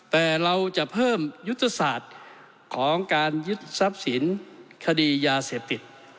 แต่เราจะเพิ่มยุทธศาสตร์ของการยึดทรัพย์สินคดียาเสพติด